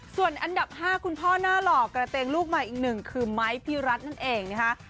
ส่วนอันดับ๕คุณพ่อหน้าหล่อกระเตงลูกใหม่อีกหนึ่งคือไม้พี่รัฐนั่นเองนะคะ